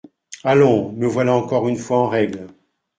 Allons ! me voilà encore une fois en règle.